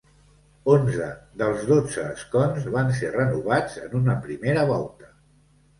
Onze dels dotze escons van ser renovats en una primera volta.